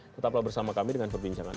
tetaplah bersama kami dengan perbincangan